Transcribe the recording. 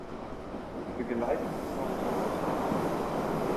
Wir geleiten Sie noch zur Ausfahrt.